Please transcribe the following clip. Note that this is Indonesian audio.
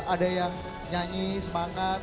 ada yang nyanyi semangat